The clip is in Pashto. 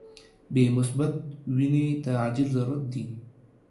بی مثبت وینی ته عاجل ضرورت دي.